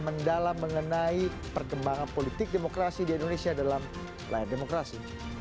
mendalam mengenai perkembangan politik demokrasi di indonesia dalam layar demokrasi